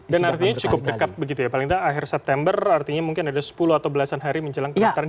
dan artinya cukup dekat begitu ya paling tidak akhir september artinya mungkin ada sepuluh atau belasan hari menjelangkan